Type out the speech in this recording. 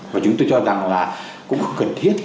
và chúng tôi cho rằng là cũng cần thiết